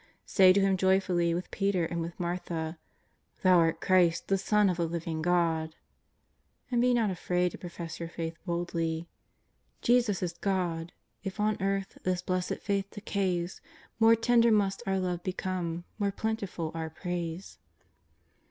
S^y to Him joyfully with Peter and with Martha: ^' Thou art Christ the Son of the living God." And be not afraid to profess your faith boldly : Jesus is God ! if on the earth This blessed faith decays. More tender must our love become. More plentiful our praise.